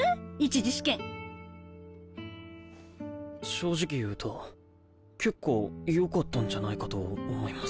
正直言うと結構よかったんじゃないかと思います。